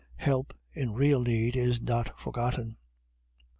Help, in real need, is not forgotten.